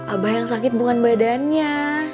abah yang sakit bukan badannya